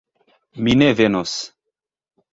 Mi ne venos.